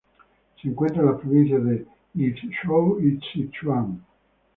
Se encuentra en las provincias de Guizhou y Sichuan.